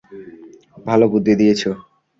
ভালো বুদ্ধি দিয়েছ।